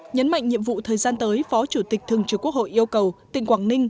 nhấn mạnh nhiệm vụ thời gian tới phó chủ tịch thường trực quốc hội yêu cầu tỉnh quảng ninh